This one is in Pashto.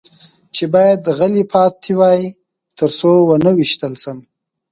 چې باید غلی پاتې وای، تر څو و نه وېشتل شم.